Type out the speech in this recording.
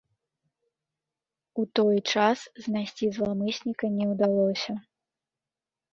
У той час знайсці зламысніка не ўдалося.